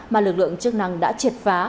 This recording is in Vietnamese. mà lực lượng chất năng đã triệt phá